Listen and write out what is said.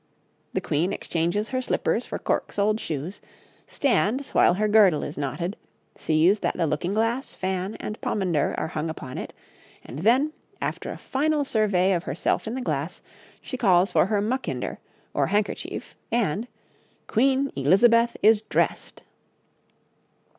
The Queen exchanges her slippers for cork soled shoes, stands while her girdle is knotted, sees that the looking glass, fan, and pomander are hung upon it, and then, after a final survey of herself in the glass, she calls for her muckinder or handkerchief, and Queen Elizabeth is dressed.